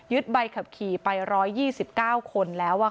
ยึดใบขับขี่ไป๑๒๙คนแล้วค่ะ